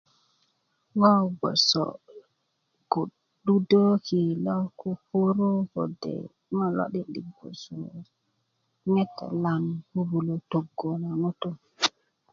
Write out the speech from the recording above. ŋo' gboso ku ludööki' lo kukuru kode' ŋo' lo'di'dik gboso ŋete' naŋ bubulö töggu ŋutu'